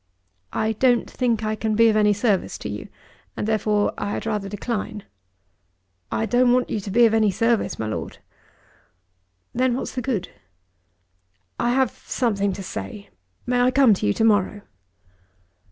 "I don't think I can be of any service to you, and therefore I had rather decline." "I don't want you to be of any service, my Lord." "Then what's the good?" "I have something to say. May I come to you to morrow?"